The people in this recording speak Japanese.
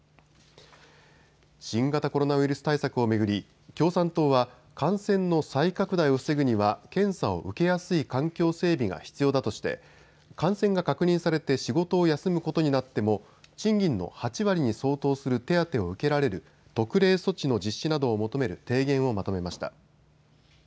新型コロナウイルス対策を巡り、共産党は感染の再拡大を防ぐには検査を受けやすい環境整備が必要だとして、感染が確認されて仕事を休むことになっても、賃金の８割に相当する手当を受けられる特例措置の実施などを求める提言をまとめました。